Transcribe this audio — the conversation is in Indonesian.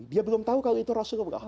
dia belum tahu kalau itu rasulullah